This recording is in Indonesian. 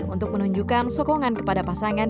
untuk menunjukkan sokongan kepada pasangan